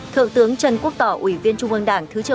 thượng tướng trần quốc tỏ ủy viên trung ương đảng